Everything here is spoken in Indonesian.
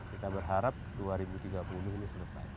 kita berharap dua ribu tiga puluh ini selesai